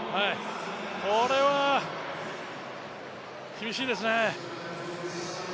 これは厳しいですね。